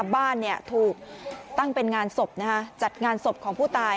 บ้านถูกตั้งเป็นงานศพจัดงานศพของผู้ตาย